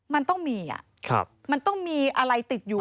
มันต้องมีมันต้องมีอะไรติดอยู่